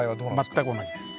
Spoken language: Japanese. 全く同じです。